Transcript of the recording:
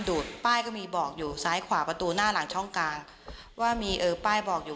ดูก็ได้กะตัวว่าน้องทำมัยน้องยังดูบบาลีอยู่